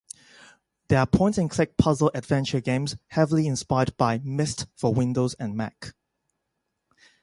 They are point-and-click puzzle-adventure games, heavily inspired by "Myst" for Windows and Mac.